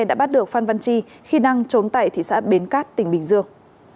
đã bắt được phan văn chi khi đang trốn tại thị xã bến cát tỉnh bình dương